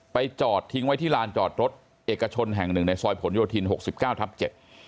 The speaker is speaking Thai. ไปจอดทิ้งไว้ที่ลานจอดรถเอกชนแห่งหนึ่งในซอยผลโยธิน๖๙ทัพ๗